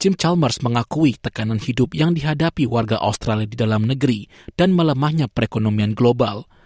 sim charmers mengakui tekanan hidup yang dihadapi warga australia di dalam negeri dan melemahnya perekonomian global